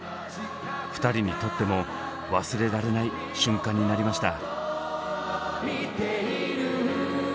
２人にとっても忘れられない瞬間になりました。